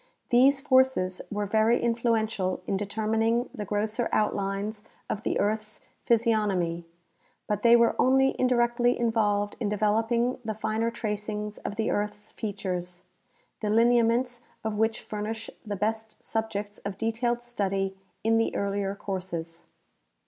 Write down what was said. These forces were very influential in determining the grosser outlines of the earth's physiognomy, but they were onl}^ indirectly involved in de veloping the finer tracings of the earth's features, the lineaments of which furnish the best subjects of detailed study in the earlier courses.